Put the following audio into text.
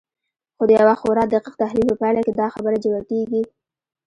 خو د يوه خورا دقيق تحليل په پايله کې دا خبره جوتېږي.